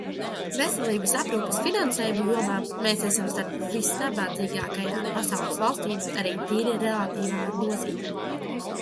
Veselības aprūpes finansējuma jomā mēs esam starp visnabadzīgākajām pasaules valstīm arī tīri relatīvā nozīmē.